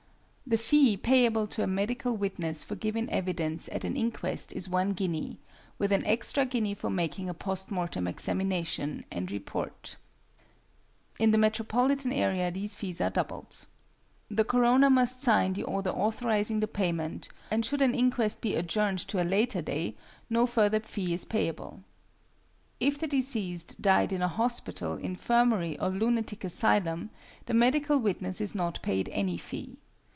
The fee payable to a medical witness for giving evidence at an inquest is one guinea, with an extra guinea for making a post mortem examination and report (in the metropolitan area these fees are doubled). The coroner must sign the order authorizing the payment, and should an inquest be adjourned to a later day, no further fee is payable. If the deceased died in a hospital, infirmary, or lunatic asylum, the medical witness is not paid any fee.